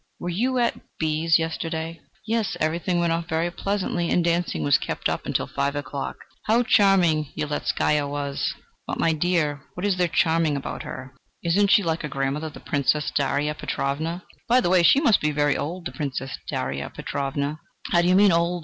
Were you at B 's yesterday?" "Yes; everything went off very pleasantly, and dancing was kept up until five o'clock. How charming Yeletzkaya was!" "But, my dear, what is there charming about her? Isn't she like her grandmother, the Princess Daria Petrovna? By the way, she must be very old, the Princess Daria Petrovna." "How do you mean, old?"